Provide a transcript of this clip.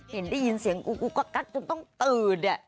เห็นได้ยินเสียงกูกูกักกักจนต้องตื่นอ่ะ